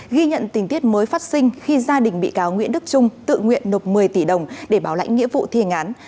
ghi nhận tình tiết mới phát sinh khi gia đình bị cáo nguyễn đức trung tự nguyện nộp một mươi tỷ đồng để báo lãnh nghĩa vụ thiền án